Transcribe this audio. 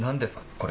これ。